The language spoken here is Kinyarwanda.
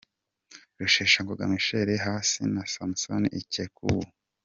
Rusheshangoga Michel hasi na Samson Ikechukwu.